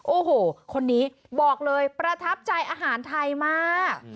โอ้โหคนนี้บอกเลยประทับใจอาหารไทยมาก